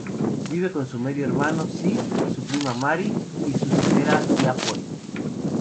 Vive con su medio hermano Sid, su prima Mary y su severa tía Polly..